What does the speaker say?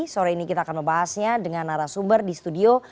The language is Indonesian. sore ini kita akan membahasnya dengan arah sumber di studio